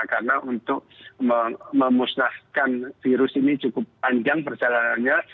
karena untuk memusnahkan virus ini cukup panjang perjalanannya